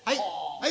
はい。